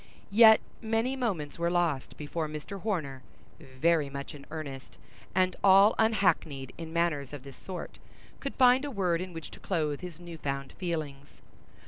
Yet many moments were lost before Mr. Horner, very much in earnest, and all unhackneyed in matters of this sort, could find a word in which to clothe his new found feelings.